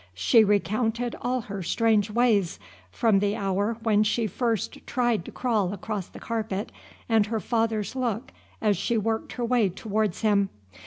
She recounted all her strange ways, from the hour when she first tried to crawl across the carpet, and her father's look as she worked her way towards him.